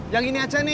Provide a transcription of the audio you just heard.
yang ini aja nih